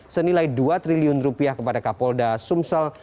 senilai dua triliun rupiah kepada kapolda sumsel